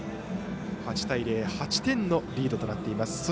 ８対０８点のリードとなっています。